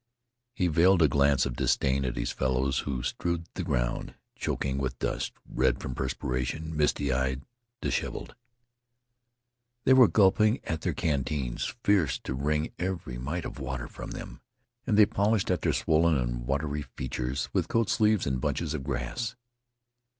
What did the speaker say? He veiled a glance of disdain at his fellows who strewed the ground, choking with dust, red from perspiration, misty eyed, disheveled. They were gulping at their canteens, fierce to wring every mite of water from them, and they polished at their swollen and watery features with coat sleeves and bunches of grass.